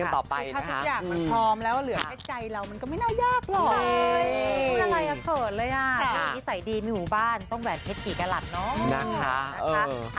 ก็ไม่น่ายากหรอกเลยอะไรก็เกิดเลยอ่ะอีสัยดีมีหมู่บ้านต้องแบบเท็จกี่กลับเนอะนะคะเออ